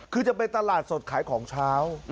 คือจะเป็นตลาดสดขายของเช้า